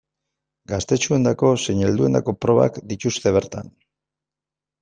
Gaztetxoentzako zein helduentzako probak dituzte bertan.